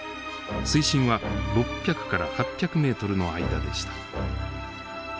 水深は６００から８００メートルの間でした。